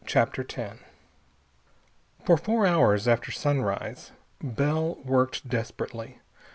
CHAPTER X For four hours after sunrise Bell worked desperately.